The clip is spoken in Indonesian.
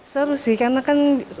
seru sih karena kan